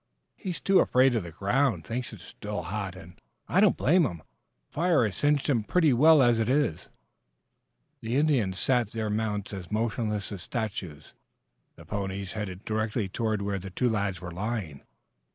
"He's too afraid of the ground thinks it's still hot, and I don't blame him. The fire has singed him pretty well as it is." The Indians sat their mounts as motionless as statues, the ponies headed directly toward where the two lads were lying.